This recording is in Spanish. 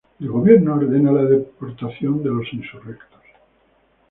El gobierno ordena la deportación de los insurrectos.